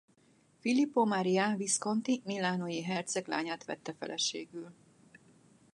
Filippo Maria Visconti milánói herceg leányát vette feleségül.